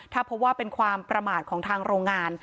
ถ้าพบว่าเป็นความประมาทของทางโรงงาน